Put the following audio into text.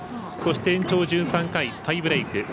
そして延長１３回、タイブレーク。